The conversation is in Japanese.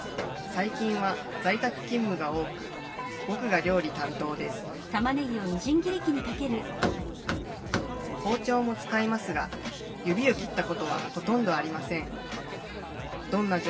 最近は在宅勤務が多く僕が料理担当です包丁も使いますが指を切ったことはほとんどありません。